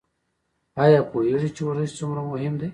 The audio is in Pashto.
ایا پوهیږئ چې ورزش څومره مهم دی؟